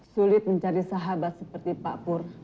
sulit mencari sahabat seperti pak pur